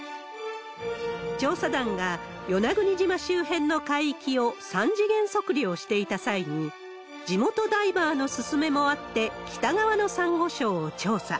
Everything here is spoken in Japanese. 調査団が与那国島周辺の海域を３次元測量していた際に、地元ダイバーの勧めもあって北側のサンゴ礁を調査。